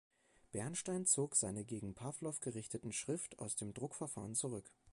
Bernstein zog seine gegen Pawlow gerichtete Schrift aus dem Druckverfahren zurück.